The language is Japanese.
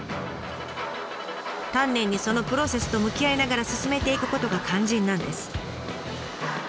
丹念にそのプロセスと向き合いながら進めていくことが肝心なんです。